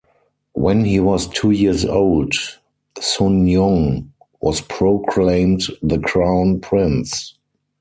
When he was two years old, Sunjong was proclaimed the crown prince.